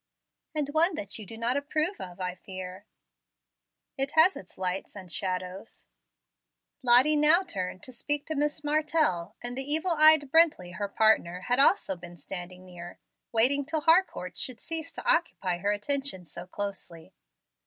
"And one that you do not approve of, I fear." "It has its lights and shadows." Lottie now turned to speak to Miss Martell, and evil eyed Brently, her partner, had also been standing near, waiting till Harcourt should cease to occupy her attention so closely.